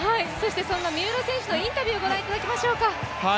そんな三浦選手のインタビューご覧いただきましょうか。